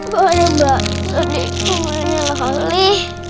boleh mbak jadi umurnya loli